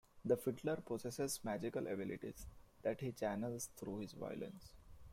The Fiddler possesses magical abilities that he channels through his violins.